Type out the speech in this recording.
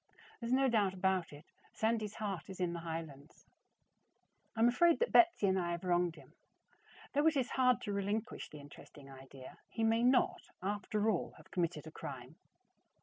There is no doubt about it, Sandy's heart is in the highlands. I am afraid that Betsy and I have wronged him. Though it is hard to relinquish the interesting idea, he may not, after all, have committed a crime.